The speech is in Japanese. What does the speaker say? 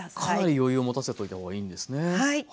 かなり余裕を持たせといた方がいいんですね。